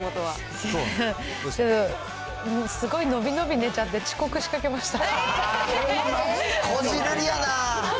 ちょっとあの、すごい伸び伸び寝ちゃって、遅刻しかけました